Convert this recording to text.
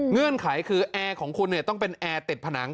เงื่อนไขคือแอร์ของคุณต้องเป็นแอร์ติดผนัง